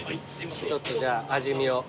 ちょっとじゃあ味見を。